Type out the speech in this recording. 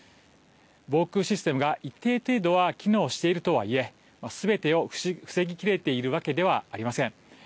防空システムが一定程度は機能しているとはいえすべてを防ぎ切れているわけではありません。